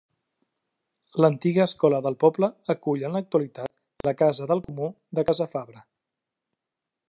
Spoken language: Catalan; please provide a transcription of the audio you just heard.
L'antiga escola del poble acull en l'actualitat la Casa del Comú de Casafabre.